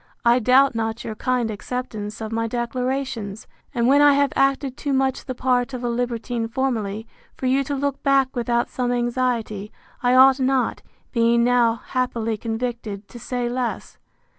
I doubt not your kind acceptance of my declarations. And when I have acted too much the part of a libertine formerly, for you to look back without some anxiety, I ought not, being now happily convicted, to say less.